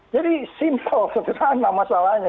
jadi simple sederhana masalahnya